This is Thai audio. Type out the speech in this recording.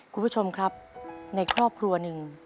คุณผู้ชมครับในครอบครัวหนึ่ง